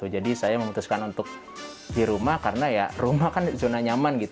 jadi saya memutuskan untuk di rumah karena rumah kan zona nyaman